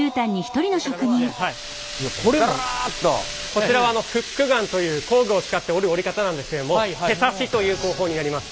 こちらはフックガンという工具を使って織る織り方なんですけども手刺しという工法になります。